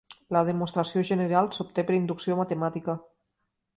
La demostració general s'obté per inducció matemàtica.